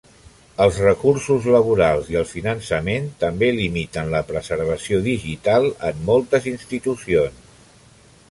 Els recursos laborals i el finançament també limiten la preservació digital en moltes institucions.